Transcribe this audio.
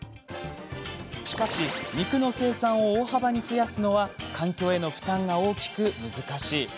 しかし、肉の生産を大幅に増やすのは環境への負担が大きく難しい。